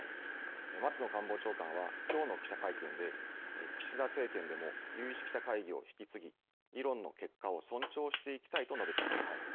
松野官房長官は、きょうの記者会見で、岸田政権でも、有識者会議を引き継ぎ、議論の結果を尊重していきたいと述べています。